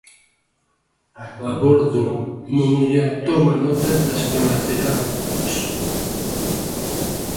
A bordo, unha muller toma notas das que nacerá Éxodo.